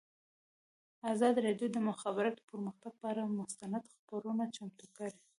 ازادي راډیو د د مخابراتو پرمختګ پر اړه مستند خپرونه چمتو کړې.